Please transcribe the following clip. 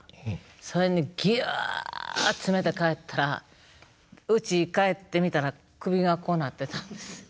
それにギュッ詰めて帰ったらうち帰ってみたら首がこうなってたんです。